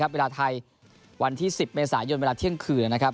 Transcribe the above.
เวลาไทยวันที่๑๐เมษายนเวลาเที่ยงคืนนะครับ